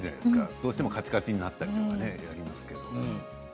どうしてもかちかちになったりとかありますけど。